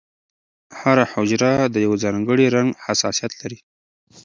هره حجره د یو ځانګړي رنګ حساسیت لري.